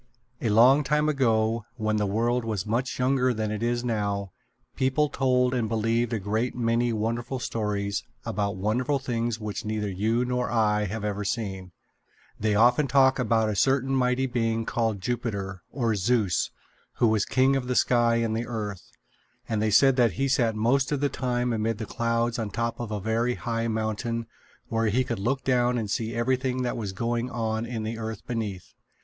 A long time ago, when the world was much younger than it is now, people told and believed a great many wonderful stories about wonderful things which neither you nor I have ever seen. They often talked about a certain Mighty Being called Jupiter, or Zeus, who was king of the sky and the earth; and they said that he sat most of the time amid the clouds on the top of a very high mountain where he could look down and see everything that was going on in the earth beneath.